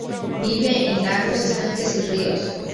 Vive en lagos, estanques y ríos.